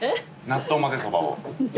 納豆まぜそばを。